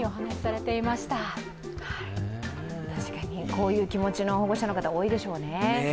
こういう気持ちの保護者の方多いでしょうね。